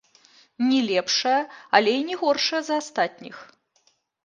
Не лепшая, але і не горшая за астатніх.